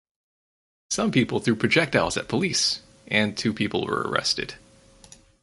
Some people threw projectiles at police and two people were arrested.